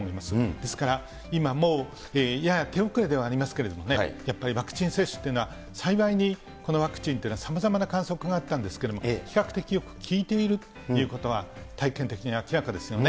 ですから、今もうやや手遅れではありますけどね、やっぱりワクチン接種というのは、最大にこのワクチンというのはさまざまな観測があったんですけれども、比較的効いているということは、体験的に明らかですよね。